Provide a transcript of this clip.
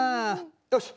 よし。